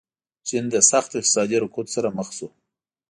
چین له سخت اقتصادي رکود سره مخ شو.